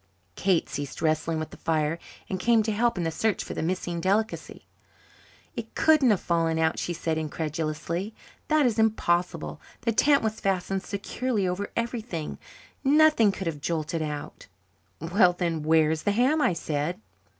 Kate ceased wrestling with the fire and came to help in the search for the missing delicacy. "It couldn't have fallen out," she said incredulously. "That is impossible. The tent was fastened securely over everything. Nothing could have jolted out." "Well, then, where is the ham?" I said.